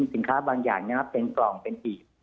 สินค้าบางอย่างนะครับเป็นกล่องเป็นหีบ